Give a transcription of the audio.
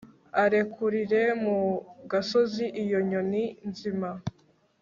arekurire mu gasozi iyo nyoni nzima